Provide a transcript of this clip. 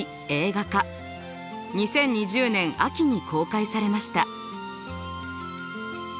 ２０２０年秋に公開されました。